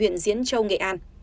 diễn diễn châu nghệ an